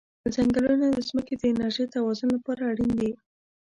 ځنګلونه د ځمکې د انرژی توازن لپاره اړین دي.